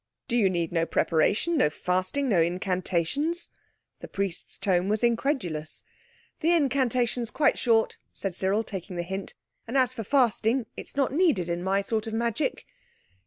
"Do you need no preparation—no fasting, no incantations?" The priest's tone was incredulous. "The incantation's quite short," said Cyril, taking the hint; "and as for fasting, it's not needed in my sort of magic.